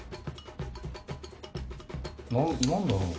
な何だろう